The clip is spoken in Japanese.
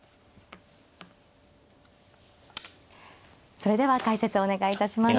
それでは解説お願いいたします。